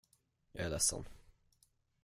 Jag är ledsen.